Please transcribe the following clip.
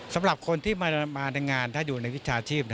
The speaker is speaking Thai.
สำหรับคนที่มาในงานถ้าอยู่ในวิชาชีพ